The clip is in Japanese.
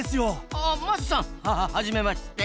あ桝さんはじめまして！